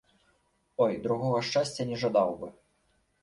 Ой, другога шчасця не жадаў бы!